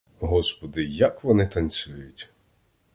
Господи, як вони танцюють!